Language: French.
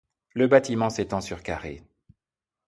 Le bâtiment s'étend sur carrés.